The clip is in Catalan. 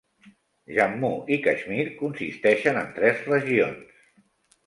Jammu i Caixmir consisteixen en tres regions: